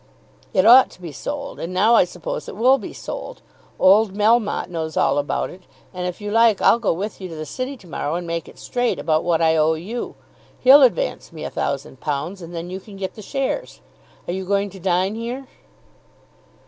It ought to be sold, and now I suppose it will be sold. Old Melmotte knows all about it, and if you like I'll go with you to the city to morrow and make it straight about what I owe you. He'll advance me £1,000, and then you can get the shares. Are you going to dine here?"